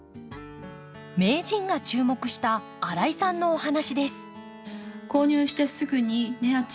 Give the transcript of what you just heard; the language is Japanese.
名人が注目した新井さんのお話です。